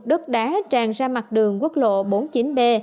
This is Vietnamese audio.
đất đá tràn ra mặt đường quốc lộ bốn mươi chín b